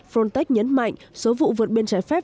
frontex nhấn mạnh số vụ vượt biên trái phép